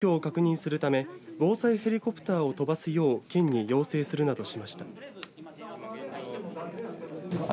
職員たちは、まず被害状況を確認するため防災ヘリコプターを飛ばすよう県に要請するなどしました。